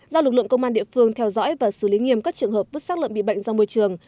do lực lượng công an địa phương theo dõi và xử lý nghiêm các trường hợp vứt sát lợn bị bệnh ra môi trường